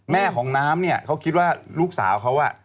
แม่ของน้ำเนี่ยเขาคิดว่าลูกสาวเขาอ่ะ